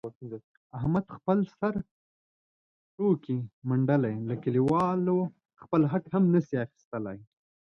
احمد خپل سر پښو کې منډلی، له کلیوالو خپل حق هم نشي اخستلای.